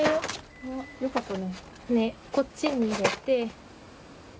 こっちに入れて。